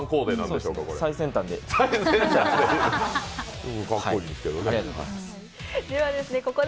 最先端で。